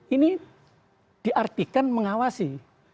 ini diartikan mengawasi